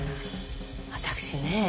私ね